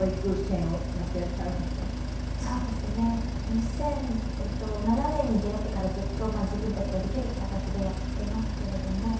２００７年に出合ってからずっと自分たちができる形でやっていますけれども。